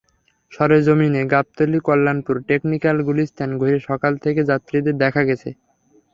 সরেজমিনে গাবতলী, কল্যাণপুর, টেকনিক্যাল, গুলিস্তান ঘুরে সকাল থেকে যাত্রীদের দেখা গেছে।